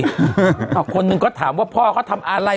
เอาคนหนึ่งก็ถามว่าพ่อเขาทำอะไร